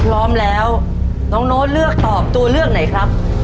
พร้อมแล้วน้องโน้ตเลือกตอบตัวเลือกไหนครับ